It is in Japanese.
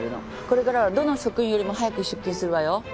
これからはどの職員よりも早く出勤するわよ。